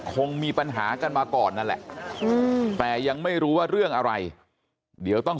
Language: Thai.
คงมีปัญหากันมาก่อนนั่นแหละแต่ยังไม่รู้ว่าเรื่องอะไรเดี๋ยวต้อง